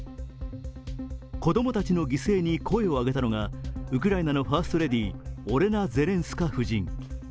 子供たちの犠牲に声を上げたのがウクライナのファーストレディーオレナ・ゼレンスカ夫人。